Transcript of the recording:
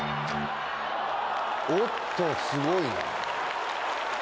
おっとすごいな。